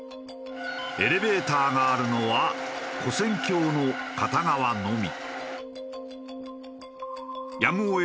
エレベーターがあるのは跨線橋の片側のみ。